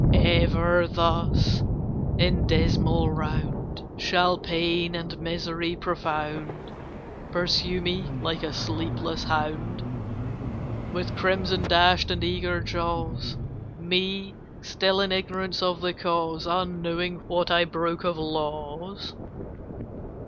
Ever thus, in dismal round, Shall Pain and Mystery profound Pursue me like a sleepless hound, "With crimson dashed and eager jaws, Me, still in ignorance of the cause, Unknowing what I broke of laws?"